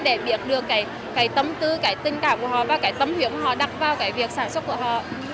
để biết được cái tâm tư cái tình cảm của họ và cái tâm huyết họ đặt vào cái việc sản xuất của họ